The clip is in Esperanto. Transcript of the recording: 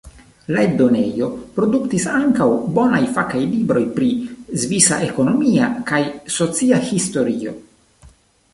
La eldonejo produktis ankaŭ bonaj fakaj libroj pri svisa ekonomia kaj socia historio.